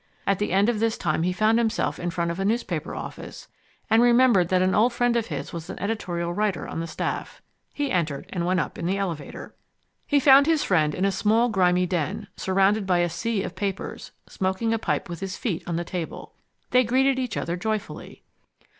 At the end of this time he found himself in front of a newspaper office, and remembered that an old friend of his was an editorial writer on the staff. He entered, and went up in the elevator. He found his friend in a small grimy den, surrounded by a sea of papers, smoking a pipe with his feet on the table. They greeted each other joyfully.